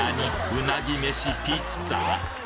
うなぎめしピッツァ？